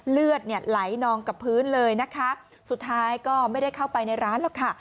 เลือดเนี่ยไหลนองกับพื้นเลยนะคะสุดท้ายก็ไม่ได้เข้าไปในร้านหรอกค่ะ